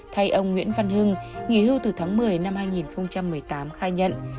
thay ông nguyễn văn hưng nghỉ hưu từ tháng một mươi năm hai nghìn một mươi tám khai nhận